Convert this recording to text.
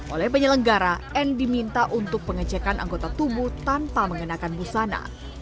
oleh penyelenggara n diminta untuk pengecekan anggota tubuh tanpa mengenakan busana